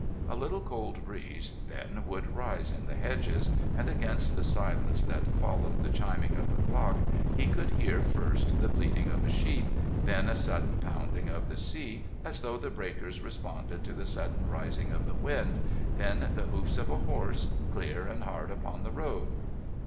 A little cold breeze then would rise in the hedges and against the silence that followed the chiming of the clock he could hear first the bleating of a sheep, then a sudden pounding of the sea as though the breakers responded to the sudden rising of the wind, then the hoofs of a horse, clear and hard, upon the road...